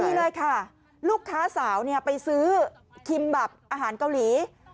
นี่เลยค่ะลูกค้าสาวไปซื้อคิมแบบอาหารเกาหลี